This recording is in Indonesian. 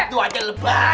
itu aja lebah